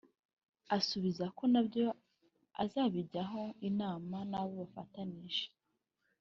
asubiza ko nabyo azabijyaho inama n’abo bafatanije